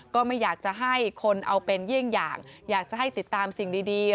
ก็ไม่อยากจะให้คนเอาเป็นเยี่ยงอย่างอยากจะให้ติดตามสิ่งดี